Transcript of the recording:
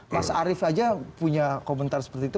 mas arief saja punya komentar seperti itu